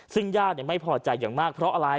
ซึ่งญาติไม่พอใจอย่างมากเพราะอะไร